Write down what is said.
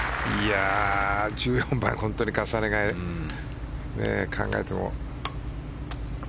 １４番、本当に考えても。